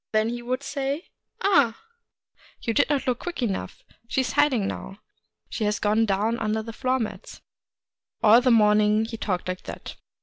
Then he would say, ' Ah ! you did not look quick enough : she is hiding now; — she has gone down under the floor mats.' All the morning he talked like that.